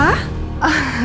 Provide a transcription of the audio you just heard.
aku harus bantu dengan cara apa